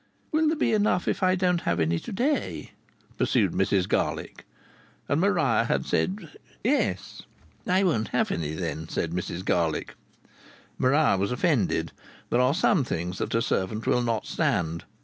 "Will there be enough if I don't have any to day?" pursued Mrs Garlick. And Maria had said, "Yes." "I won't have any then," said Mrs Garlick. Maria was offended; there are some things that a servant will not stand.